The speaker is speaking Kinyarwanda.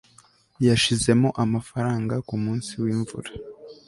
yashizemo amafaranga kumunsi wimvura